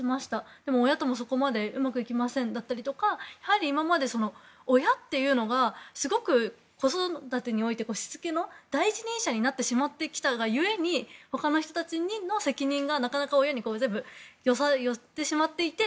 でも親ともそこまでうまくいっていなかったり親というのがすごく子育てにおいてしつけの第一人者になってしまってきたがゆえに他の人たちの責任がなかなか親に全部寄ってしまっていて。